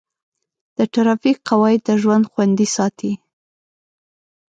د ټرافیک قواعد د ژوند خوندي ساتي.